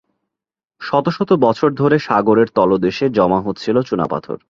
শত শত বছর ধরে সাগরের তলদেশে জমা হচ্ছিল চুনাপাথর।